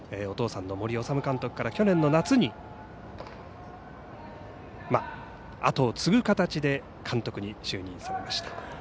お父さんの森士監督から去年の夏にあとを継ぐ形で監督に就任されました。